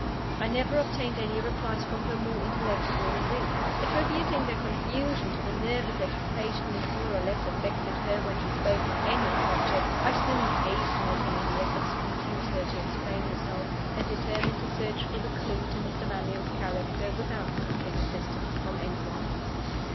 I never obtained any replies from her more intelligible than these. Attributing their confusion to the nervous agitation which more or less affected her when she spoke on any subject, I soon ceased making any efforts to induce her to explain herself; and determined to search for the clue to Mr. Mannion's character, without seeking assistance from any one.